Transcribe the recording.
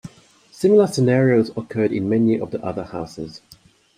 Similar scenarios occurred in many of the other houses.